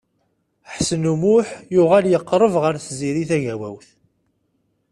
Ḥsen U Muḥ yuɣal yeqreb ɣer Tiziri Tagawawt.